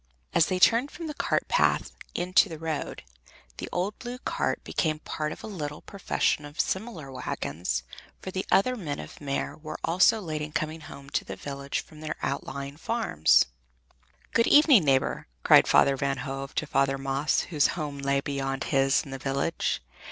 As they turned from the cart path into the road, the old blue cart became part of a little profession of similar wagons, for the other men of Meer were also late in coming home to the village from their outlying farms. "Good evening, neighbor," cried Father Van Hove to Father Maes, whose home lay beyond his in the village.